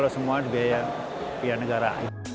semua dibiayai pihak negara